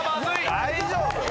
大丈夫？